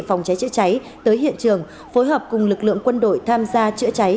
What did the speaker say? phòng cháy chữa cháy tới hiện trường phối hợp cùng lực lượng quân đội tham gia chữa cháy